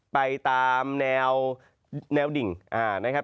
ไปตามแนวดิ่งนะครับ